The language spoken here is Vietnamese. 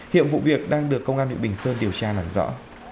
hiệp vụ việc đang được công an nguyễn bình sơn điều tra làm rõ